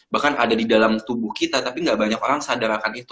bahkan ada di dalam tubuh kita tapi gak banyak orang sadar akan itu